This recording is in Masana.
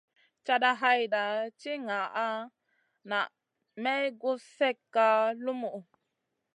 Cata hayta ka ti ŋaʼa naa may gus slèkka lumuʼu.